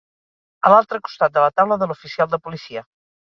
a l'altre costat de la taula de l'oficial de policia